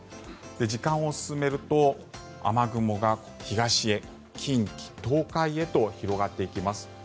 時間を進めると雨雲が東へ近畿、東海へと広がっていきます。